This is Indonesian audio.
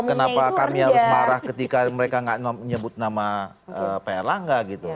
kenapa kami harus marah ketika mereka nggak menyebut nama pak erlangga gitu